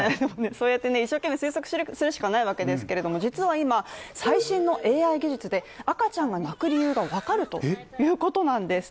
そうやって一生懸命推測するしかないんですけれども、実は今、最新のＡＩ技術で赤ちゃんが泣く理由が分かるということなんです。